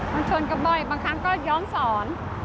บางทีก็บ่อยบางทีก็ย้อนสอน